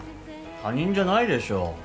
他人じゃないでしょ。